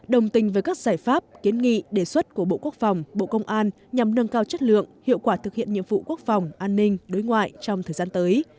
đồng tình với các giải pháp kiến nghị đề xuất của bộ quốc phòng bộ công an nhằm nâng cao chất lượng hiệu quả thực hiện nhiệm vụ quốc phòng an ninh đối ngoại trong thời gian tới